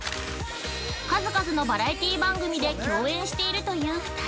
数々のバラエティー番組で共演しているという２人。